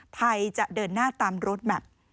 ไทยจะเดินหน้าตามโรดแมป